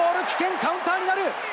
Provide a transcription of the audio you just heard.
カウンターになる。